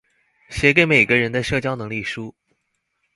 寫給每個人的社交能力書